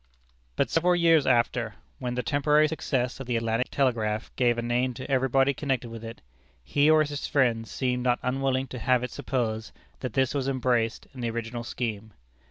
But several years after, when the temporary success of the Atlantic Telegraph gave a name to everybody connected with it, he or his friends seemed not unwilling to have it supposed that this was embraced in the original scheme.